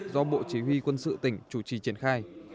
do bộ chỉ huy quân sự tỉnh chủ trì triển khai